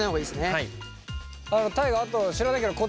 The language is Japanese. はい。